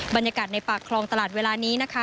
บรรยากาศในปากคลองตลาดเวลานี้นะคะ